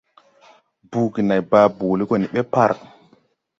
Buugi nãy baa boole go ni ɓe par.